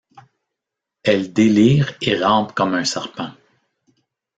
Elle délire et rampe comme un serpent.